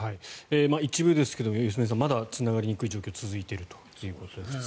一部ですが、良純さんまだつながりにくい状況が続いているということですね。